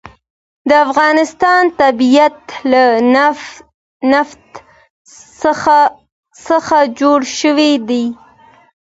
د افغانستان طبیعت له نفت څخه جوړ شوی دی.